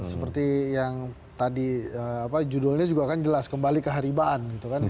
seperti yang tadi judulnya juga kan jelas kembali ke haribaan gitu kan